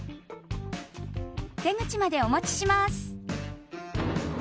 出口までお持ちします。